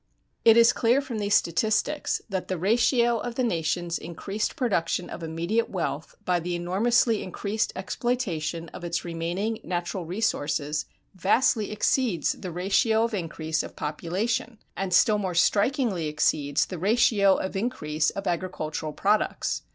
It is clear from these statistics that the ratio of the nation's increased production of immediate wealth by the enormously increased exploitation of its remaining natural resources vastly exceeds the ratio of increase of population and still more strikingly exceeds the ratio of increase of agricultural products.